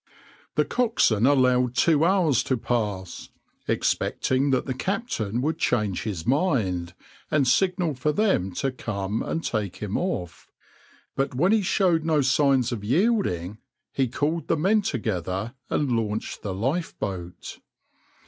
\par The coxswain allowed two hours to pass, expecting that the captain would change his mind and signal for them to come and take him off; but when he showed no signs of yielding, he called the men together and launched the lifeboat.